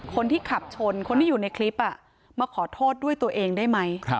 คนที่ขับชนคนที่อยู่ในคลิปมาขอโทษด้วยตัวเองได้ไหม